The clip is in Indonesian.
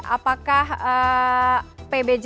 apakah pb jarum itu sudah berhasil